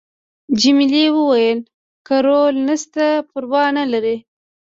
جميلې وويل:: که رول نشته پروا نه لري.